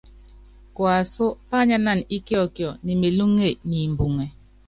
Kuasú pányánana íkiɔkiɔ ne melúŋe niimbuŋɛ.